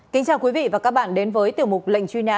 kính chào quý vị và các bạn đến với tiểu mục lệnh truy nã